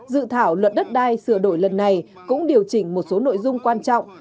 dự thảo luật đất đai sửa đổi lần này cũng điều chỉnh một số nội dung quan trọng